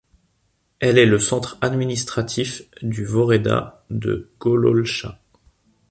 Elle est le centre administratif du woreda de Gololcha.